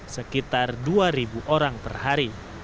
sekitar dua orang per hari